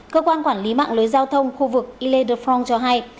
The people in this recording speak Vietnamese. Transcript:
cơ quan quản lý mạng lưới giao thông khu vực ile de france cho hay